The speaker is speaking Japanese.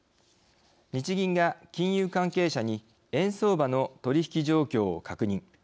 日銀が金融関係者に円相場の取引き状況を確認。